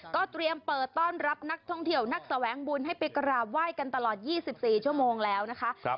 ก็เตรียมเปิดต้อนรับนักท่องเที่ยวนักแสวงบุญให้ไปกราบไหว้กันตลอด๒๔ชั่วโมงแล้วนะคะ